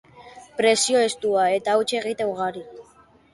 Presio estua, eta huts egite ugari.